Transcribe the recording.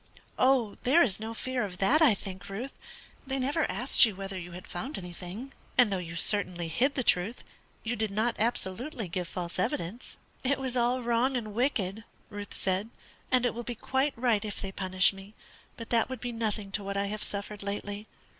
"There is no fear of that, I think, Ruth. They never asked you whether you had found anything; and though you certainly hid the truth, you did not absolutely give false evidence." "It was all wrong and wicked," Ruth said, "and it will be quite right if they punish me; but that would be nothing to what I have suffered lately.